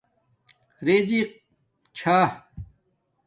رزِق چھا